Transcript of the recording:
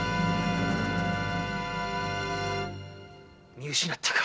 見失ったか！